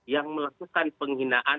yang melakukan penghinaan